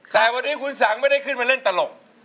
แต่วันนี้คุณสังไม่ได้ขึ้นมาเล่นตลก